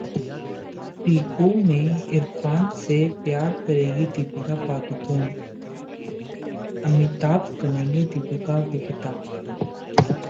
पिकू में इरफान से प्यार करेंगी दीपिका पादुकोण, अमिताभ बनेंगे दीपिका के पिता